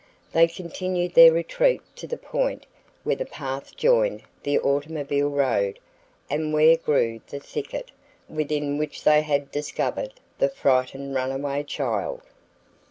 They continued their retreat to the point where the path joined the automobile road and where grew the thicket within which they had discovered the frightened runaway child.